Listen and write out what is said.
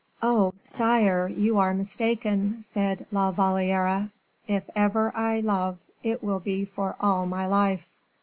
"Oh! sire, you are mistaken," said La Valliere; "if ever I love, it will be for all my life."